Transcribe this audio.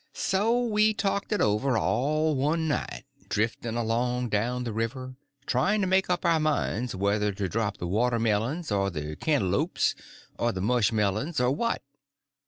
So we talked it over all one night, drifting along down the river, trying to make up our minds whether to drop the watermelons, or the cantelopes, or the mushmelons, or what.